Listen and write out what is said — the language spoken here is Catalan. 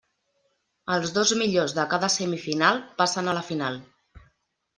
Els dos millors de cada semifinal passen a la final.